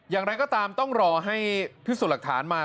อย่างไรก็ตามต้องรอให้พิสูจน์หลักฐานมา